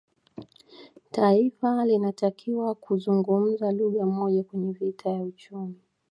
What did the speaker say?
Taifa linatakiwa kuzungumza lugha moja kwenye vita ya uchumi